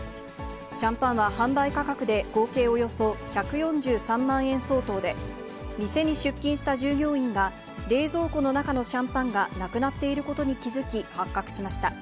シャンパンは販売価格で合計およそ１４３万円相当で、店に出勤した従業員が、冷蔵庫の中のシャンパンがなくなっていることに気付き、発覚しました。